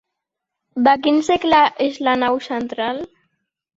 De quin segle és la nau central?